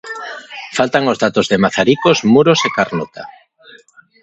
Faltan os datos de Mazaricos, Muros e Carnota.